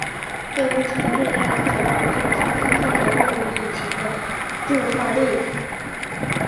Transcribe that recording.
这部车最大的特征就是机械结构与引擎的置放位子。